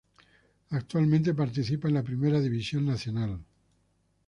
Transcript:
Actualmente participa en la Primera División Nacional.